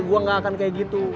gue gak akan kayak gitu